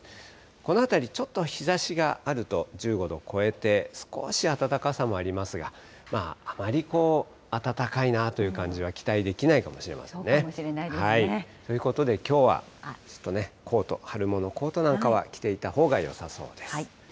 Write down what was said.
このあたり、ちょっと日ざしがあると１５度超えて少し暖かさもありますが、あまり暖かいなという感じは期待できないかもしれませんね。ということできょうは、ちょっとね、コート、春物のコートなんかは着ていたほうがよさそうです。